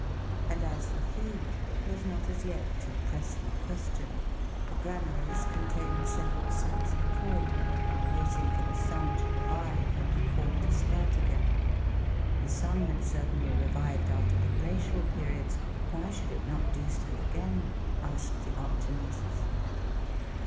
And as for food, it was not as yet too pressing a question. The granaries contained several sacks of corn, while waiting for the sun to revive and the corn to sprout again. The sun had certainly revived after the glacial periods; why should it not do so again? asked the optimists.